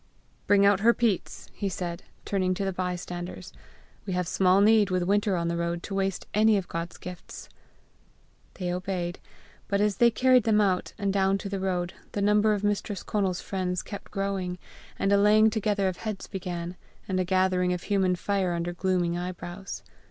"Bring out her peats," he said, turning to the bystanders; "we have small need, with winter on the road, to waste any of God's gifts!" They obeyed. But as they carried them out, and down to the road, the number of Mistress Conal's friends kept growing, and a laying together of heads began, and a gathering of human fire under glooming eyebrows.